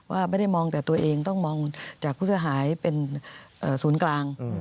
ว่าไม่ได้มองแต่ตัวเองต้องมองจากผู้เสียหายเป็นศูนย์กลาง